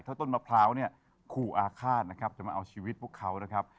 เท่าต้นมะพร้าวคู่อาฆาตจะมาเอาชีวิตพวกเขา